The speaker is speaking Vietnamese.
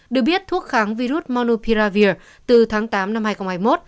được biết thuốc kháng virus monopiravir từ tháng tám năm hai nghìn hai mươi một